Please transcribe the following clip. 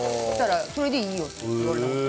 それでいいよって言われました。